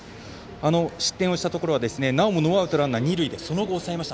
失点をしたところはなおもノーアウト二塁でその後、抑えました。